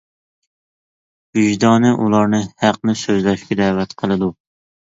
ۋىجدانى ئۇلارنى ھەقنى سۆزلەشكە دەۋەت قىلىدۇ.